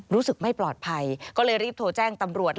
รู้สึกไม่ปลอดภัยก็เลยรีบโทรแจ้งตำรวจ